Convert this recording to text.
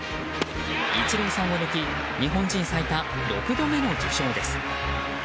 イチローさんを抜き日本人最多６度目の受賞です。